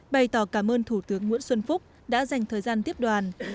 bày tỏ cảm ơn thủ tướng nguyễn xuân phúc đã dành thời gian tiếp đoàn